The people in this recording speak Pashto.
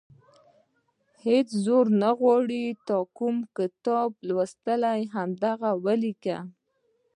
هېڅ زور نه غواړي تا کوم کتاب لوستی، هماغه ولیکه.